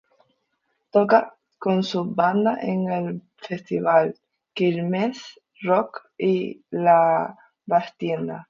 Toca con su banda en el Festival Quilmes Rock y en "La Trastienda".